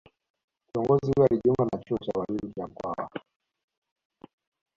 Kiongozi huyo alijiunga na chuo cha ualimu cha Mkwawa